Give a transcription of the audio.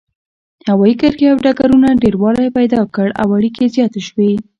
هوايي کرښې او ډګرونو ډیروالی پیدا کړ او اړیکې زیاتې شوې.